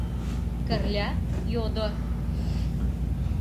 — Кырля йодо.